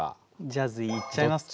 ジャズいっちゃいます。